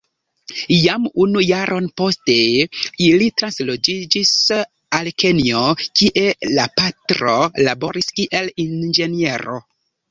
Jam unu jaron poste ili transloĝiĝis al Kenjo kie la patro laboris kiel inĝeniero.